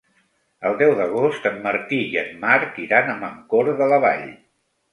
El deu d'agost en Martí i en Marc iran a Mancor de la Vall.